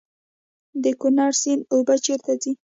د کونړ سیند اوبه چیرته ځي؟